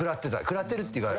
食らってるっていうか。